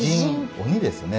鬼ですね。